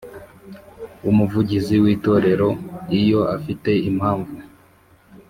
w Umuvugizi w Itorero Iyo afite impamvu